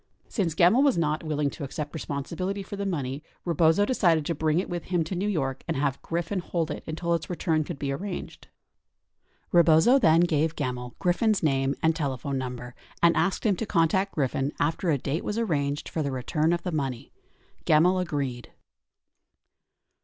Since. Gemmill was not. willing to accept responsibility for the money, Rebozo decided to bring it with him to New York and have Griffin hold it until its return could be arranged. Rebozo then gave Gemmill Griffin's name and telephone number and asked him to contact Griffin after a date was arranged for the return of the money. Gemmill agreed.